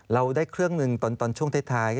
เราได้เครื่องหนึ่งตอนช่วงท้าย